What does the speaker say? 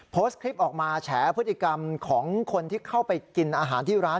โพสต์คลิปออกมาแฉพฤติกรรมของคนที่เข้าไปกินอาหารที่ร้าน